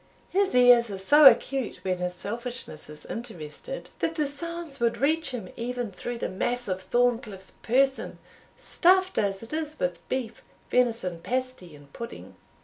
His ears are so acute when his selfishness is interested, that the sounds would reach him even through the mass of Thorncliff's person, stuffed as it is with beef, venison pasty, and pudding."